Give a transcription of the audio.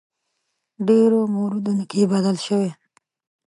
ډېرو موردونو کې بدل شوی.